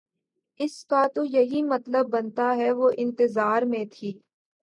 اس کا تو یہی مطلب بنتا ہے وہ انتظار میں تھی